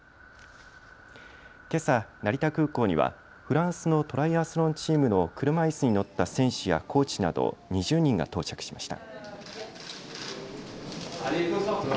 けさ、成田空港にはフランスのトライアスロンチームの車いすに乗った選手やコーチなど２０人が到着しました。